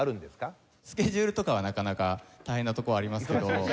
スケジュールとかはなかなか大変なとこはありますけど。